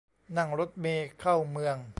นั่งรถเมล์เข้าเมือง